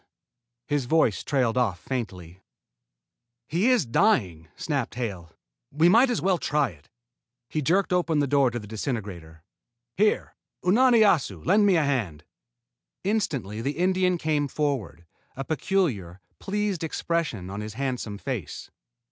His voice trailed off faintly. "He is dying," snapped Hale. "We might as well try it." He jerked open the door to the disintegrator. "Here, Unani Assu! Lend a hand!" Instantly the Indian came forward, a peculiar, pleased expression on his handsome face.